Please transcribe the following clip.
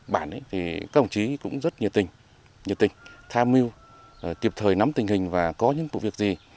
các hồng chí cũng rất nhiệt tình tham mưu kịp thời nắm tình hình và có những vụ việc gì